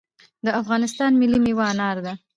د افغانستان ملي میوه انار ده